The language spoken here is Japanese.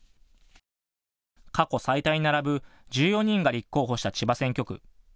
過去最多に並ぶ１４人が立候補した千葉選挙区。